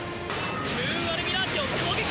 ムーンアルミラージを攻撃！